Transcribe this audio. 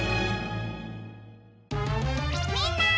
みんな！